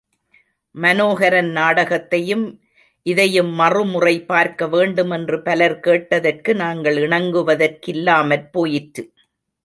மனோஹரன் நாடகத்தையும் இதையும் மறுமுறை பார்க்க வேண்டுமென்று பலர் கேட்டதற்கு நாங்கள் இணங்குவதற்கில்லாமற் போயிற்று.